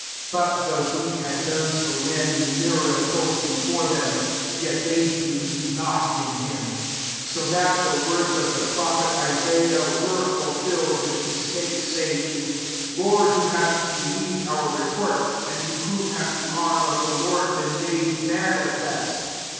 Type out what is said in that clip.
37 But though he had done so many miracles before them, yet they believed not in him : 38 so that the words of the pro phet Isaiah were fulfilled, which he spake, saying, " Lord, who hath believed our report ? and to whom hath the arm of the Lord been made manifest?"